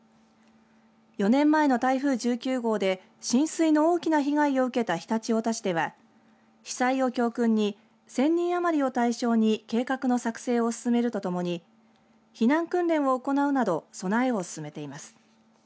４年前の台風１９号で浸水の大きな被害を受けた常陸太田市では被災を教訓に１０００人余りを対象に計画の作成を進めるとともに避難訓練を行うなど備えを進めています。